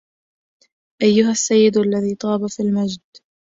أيها السيد الذي طاب في المجد